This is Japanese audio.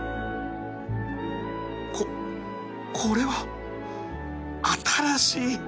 こっこれは新しい